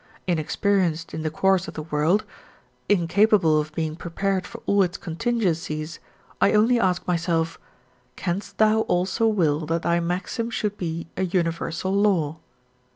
Inexperienced in the course of the world, incapable of being prepared for all its contingencies, I only ask myself: Canst thou also will that thy maxim should be a universal law?